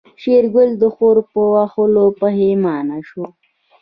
شېرګل د خور په وهلو پښېمانه شو.